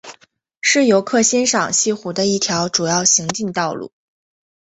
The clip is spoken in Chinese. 是游客欣赏西湖的一条主要行进道路。